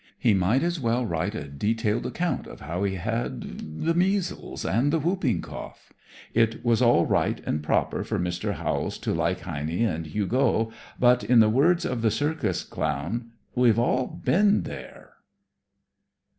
He might as well write a detailed account of how he had the measles and the whooping cough. It was all right and proper for Mr. Howells to like Heine and Hugo, but, in the words of the circus clown, "We've all been there."